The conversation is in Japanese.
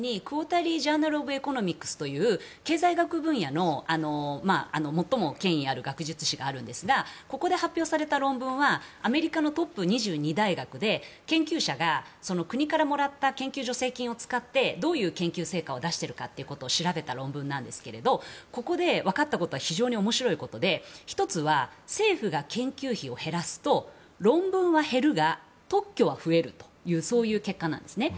２０２３年に経済学分野の最も権威ある学術誌があるんですがここで発表された論文はアメリカのトップ２２大学で研究者が、国からもらった研究助成金を使ってどういう研究成果を出しているか調べた論文なんですがここで分かったのは非常に面白いことで１つは政府が研究費を減らすと論文は減るが特許は増えるという結果なんですね。